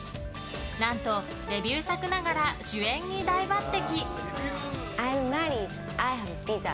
何と、デビュー作ながら主演に大抜擢。